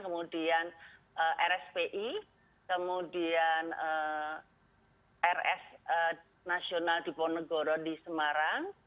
kemudian rspi kemudian rs nasional diponegoro di semarang